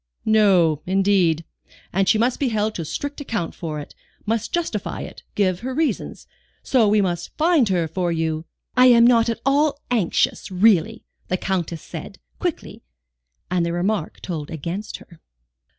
"No, indeed. And she must be held to strict account for it, must justify it, give her reasons. So we must find her for you " "I am not at all anxious, really," the Countess said, quickly, and the remark told against her.